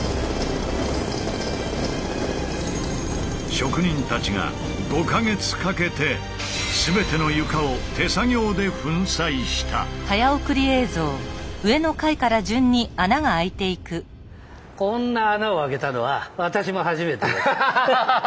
職人たちが５か月かけて全ての床をこんな穴を開けたのは私も初めてです。